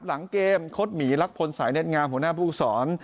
หลังเกมครดหมีรักพลศัยเล่นงามหัวหน้าพูคศร